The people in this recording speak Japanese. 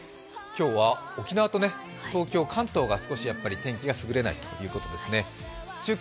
今日は沖縄と東京、関東がちょっと天気がすぐれないということですね。